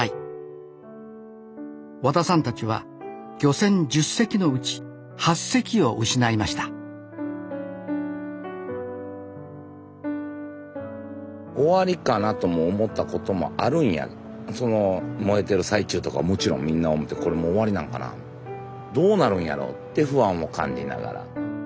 和田さんたちは漁船１０隻のうち８隻を失いました終わりかなとも思ったこともあるんやがその燃えてる最中とかもちろんみんな思ってこれもう終わりなんかなどうなるんやろうって不安を感じながら。